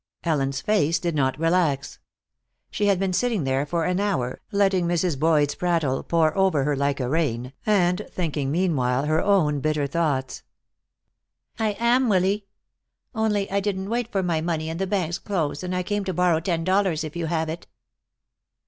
Ellen's face did not relax. She had been sitting there for an hour, letting Mrs. Boyd's prattle pour over her like a rain, and thinking meanwhile her own bitter thoughts. "I am, Willy. Only I didn't wait for my money and the bank's closed, and I came to borrow ten dollars, if you have it."